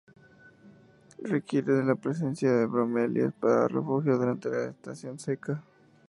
Requiere de la presencia de bromelias para refugio durante la estación seca.